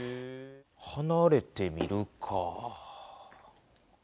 はなれて見るか。